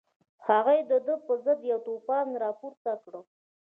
هغوی د ده په ضد یو توپان راپورته کړ.